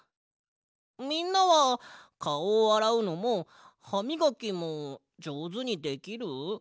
みんなはかおをあらうのもはみがきもじょうずにできる？